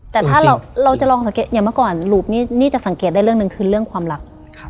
แต่ถ้าเราจะลองสังเกตอย่างเมื่อก่อนหลูบนี่จะสังเกตได้เรื่องหนึ่งคือเรื่องความรัก